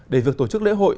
để việc tổ chức lễ hội